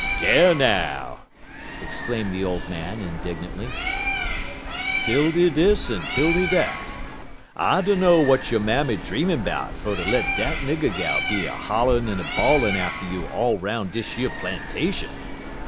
"Dar, now!" exclaimed the old man, indignantly, "'Tildy dis en 'Tildy dat. I dunner w'at yo' mammy dreamin' 'bout fer ter let dat nigger gal be a holl'in' en a bawlin' atter you all 'roun' dish yer plan'ation.